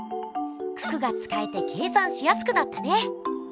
九九がつかえて計算しやすくなったね！